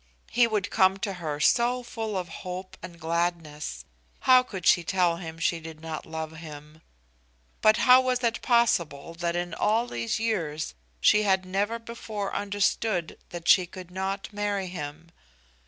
He would come to her so full of hope and gladness; how could she tell him she did not love him? But how was it possible that in all these years she had never before understood that she could not marry him?